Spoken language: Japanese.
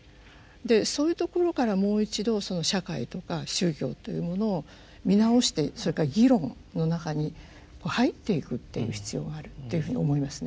でそういうところからもう一度社会とか宗教っていうものを見直してそれから議論の中に入っていくっていう必要があるっていうふうに思いますね。